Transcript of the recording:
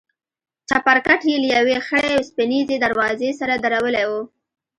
چپرکټ يې له يوې خړې وسپنيزې دروازې سره درولى و.